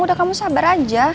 udah kamu sabar aja